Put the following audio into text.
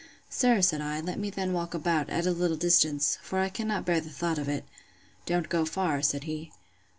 Sir, said I, let me then walk about, at a little distance; for I cannot bear the thought of it. Don't go far, said he.